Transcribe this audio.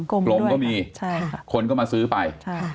กลมก็มีคนก็มาซื้อไป